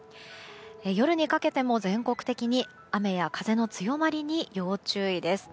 夜にかけても全国的に雨や風の強まりに要注意です。